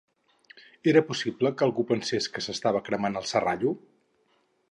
Era possible que algú pensés que s'estava cremant el Serrallo!